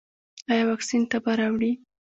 ایا واکسین تبه راوړي؟